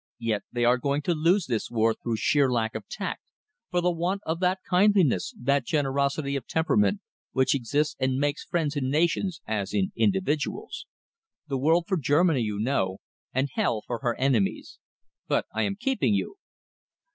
Yet they are going to lose this war through sheer lack of tact, for the want of that kindliness, that generosity of temperament, which exists and makes friends in nations as in individuals. The world for Germany, you know, and hell for her enemies!... But I am keeping you."